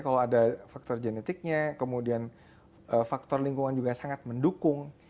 kalau ada faktor genetiknya kemudian faktor lingkungan juga sangat mendukung